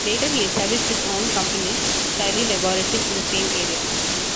Later he established his own company, Shiley Laboratories, in the same area.